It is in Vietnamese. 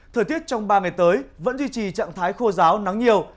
thời tiết trong ba ngày tới vẫn duy trì trạng thái khô giáo nắng nhiều